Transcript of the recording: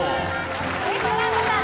・ウエストランドさん